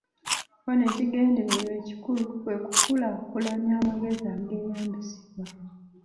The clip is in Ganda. Wano ekigendererwa ekikulu kwe kukulaakulanya amagezi ageeyambisibwa.